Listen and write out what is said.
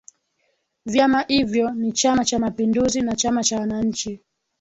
Vyama ivyo ni chama cha Mapinduzi na chama cha Wananchi